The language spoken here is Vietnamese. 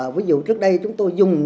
ví dụ trước đây chúng tôi dùng